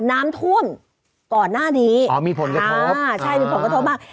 น้ำท่วมก่อนหน้านี้อ๋อมีผลกระทบอ่าใช่มีผลกระทบมาก